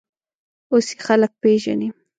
اوس یې خلک پېژني.